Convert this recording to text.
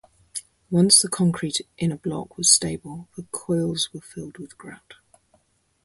Once the concrete in a block was stable the coils were filled with grout.